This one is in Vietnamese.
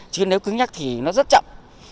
chứ nếu cứ nhắc thì nó rất chậm